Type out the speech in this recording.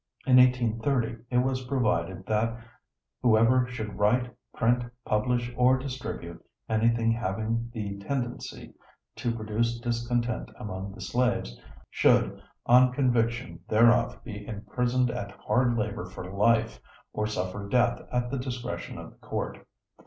In 1830 it was provided that whoever should write, print, publish or distribute anything having the tendency to produce discontent among the slaves, should on conviction thereof be imprisoned at hard labor for life or suffer death at the discretion of the court.